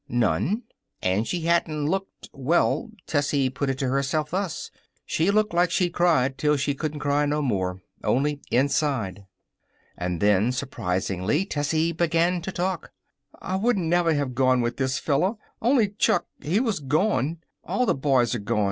None. Angie Hatton looked well, Tessie put it to herself, thus: "She looks like she'd cried till she couldn't cry no more only inside." And then, surprisingly, Tessie began to talk. "I wouldn't never have gone with this fella, only Chuck, he was gone. All the boys're gone.